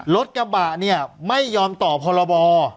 รถกระบาดไม่ยอมต่อพรบ